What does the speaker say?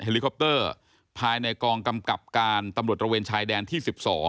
ลิคอปเตอร์ภายในกองกำกับการตำรวจระเวนชายแดนที่๑๒